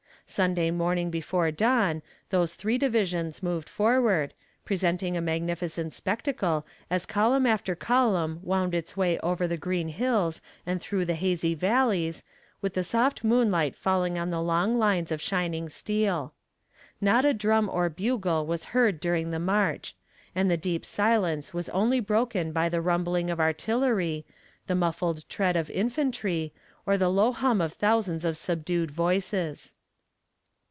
Sunday morning before dawn, those three divisions moved forward, presenting a magnificent spectacle, as column after column wound its way over the green hills and through the hazy valleys, with the soft moonlight falling on the long lines of shining steel. Not a drum or bugle was heard during the march, and the deep silence was only broken by the rumbling of artillery, the muffled tread of infantry, or the low hum of thousands of subdued voices.